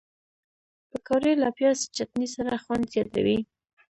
پکورې له پیاز چټني سره خوند زیاتوي